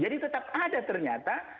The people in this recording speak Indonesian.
jadi tetap ada ternyata